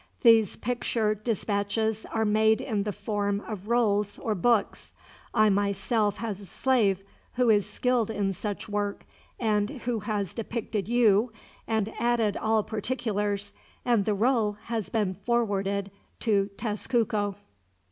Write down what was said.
These picture dispatches are made in the form of rolls, or books. I myself have a slave who is skilled in such work, and who has depicted you, and added all particulars, and the roll has been forwarded to Tezcuco."